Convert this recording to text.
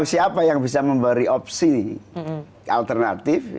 siapa yang bisa memberi opsi alternatif